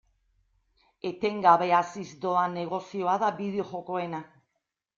Etengabe haziz doan negozioa da bideo-jokoena.